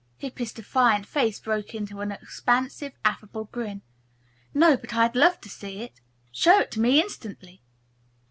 Hippy's defiant face broke into an expansive, affable grin. "No, but I'd love to see it. Show it to me, instantly."